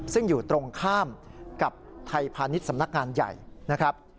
ซึ่งอยู่ตรงข้ามกับไทยพาณิชย์สำนักงานใหญ่นะครับ